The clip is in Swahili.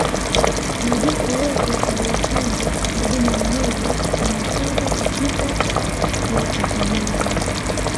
majike yote yaliyopandwa na dume mmoja yanataga katika kiota kimoja